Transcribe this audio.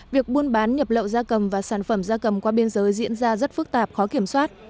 việc buôn bán nhập lậu da cầm và sản phẩm da cầm qua biên giới diễn ra rất phức tạp khó kiểm soát